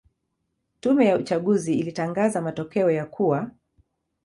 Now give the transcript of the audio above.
Tume ya uchaguzi ilitangaza matokeo ya kuwa